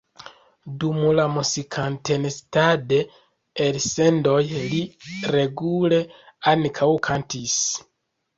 Dum la "Musikantenstadl"-elsendoj li regule ankaŭ kantis.